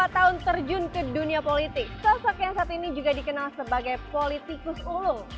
dua puluh tahun terjun ke dunia politik sosok yang saat ini juga dikenal sebagai politikus ulung